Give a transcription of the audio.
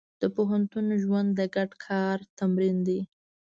د پوهنتون ژوند د ګډ کار تمرین دی.